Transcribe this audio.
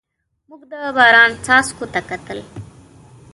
موږ د باران څاڅکو ته کتل.